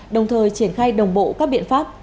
đồng thời triển khai đồng bộ các biện pháp